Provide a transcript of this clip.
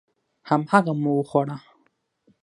هماغه مو وخوړه.